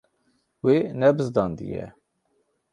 Wê nebizdandiye.